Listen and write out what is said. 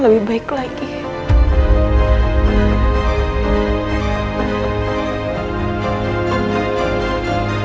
lucu sekali kamu ilah sama